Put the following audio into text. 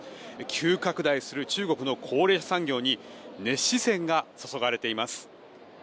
急拡大する中国の高齢者産業に熱視線が注がれています。